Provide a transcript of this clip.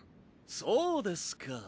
そうですか。